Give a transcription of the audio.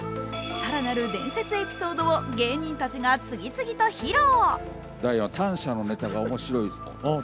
更なる伝説エピソードを芸人たちが次々と披露。